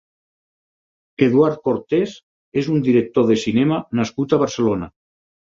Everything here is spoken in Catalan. Eduard Cortés és un director de cinema nascut a Barcelona.